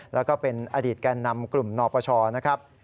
แล้วก็เป็นอดีตแก่นำกลุ่มนปชนะครับ